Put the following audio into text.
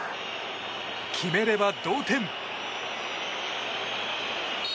決めれば同点。